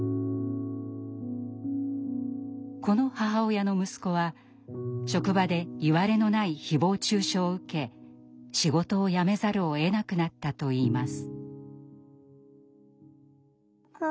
この母親の息子は職場でいわれのない誹謗中傷を受け仕事を辞めざるをえなくなったといいます。